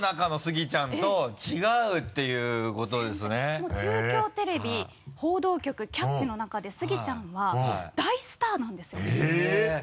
もう中京テレビ報道局「キャッチ！」の中でスギちゃんは大スターなんですよえっ！